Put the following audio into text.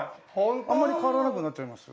あんまり変わらなくなっちゃいました。